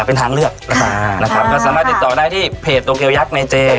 เป็นทางเลือกนะครับก็สามารถติดต่อได้ที่เพจโตเกียวยักษ์ในเจ